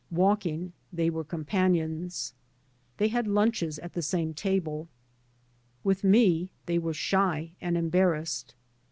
Walking they were companions. They had lunches at the same table. With me they were shy and embarrassed.